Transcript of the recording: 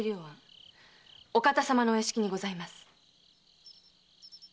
お方様のお屋敷にございます。